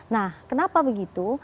nah kenapa begitu